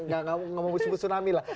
enggak enggak mau sebut tsunami lah